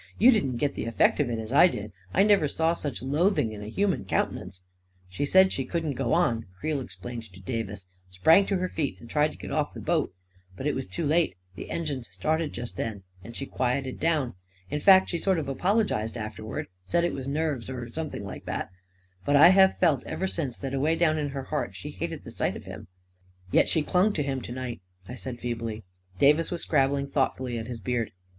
4< You didn't get the effect of it as I did •—• I never saw such loathing in a human countenance !" 44 She said she couldn't go on," Creel explained to Davis ; 44 sprang to her feet and tried to get off the boat. But it was too late «— the engines started just then — and she quieted down. In fact, she sort of apologized afterwards — said it was nerves, or something like that But I have felt ever since that, A KING IN BABYLON 305 away down in her heart, she hated the sight of him." " Yet she clung to him to night," I said, feebly. Davis was scrabbling thoughtfully at his beard.